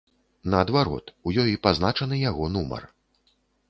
Наадварот, у ёй пазначаны яго нумар!